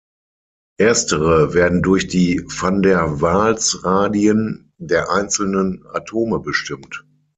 Erstere werden durch die Van-der-Waals-Radien der einzelnen Atome bestimmt.